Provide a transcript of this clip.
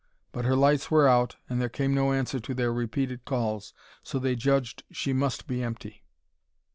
But her lights were out and there came no answer to their repeated calls, so they judged she must be empty.